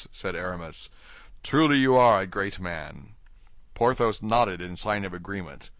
said Aramis, "truly you are a great man." Porthos nodded in sign of agreement.